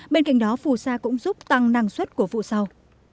bên cạnh đó phù sa cũng giúp tăng năng suất của vụ sau